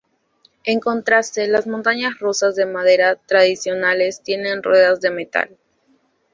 En contraste, las montañas rusas de madera tradicionales tienen ruedas de metal.